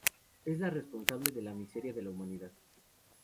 Es la responsable de la miseria de la humanidad.